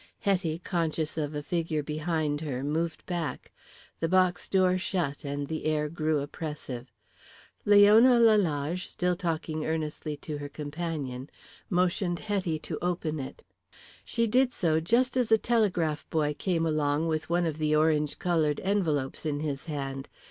Hetty, conscious of a figure behind her, moved back. The box door shut and the air grew oppressive. Leona Lalage, still talking earnestly to her companion, motioned Hetty to open it. She did so just as a telegraph boy came along with one of the orange coloured envelopes in his hand.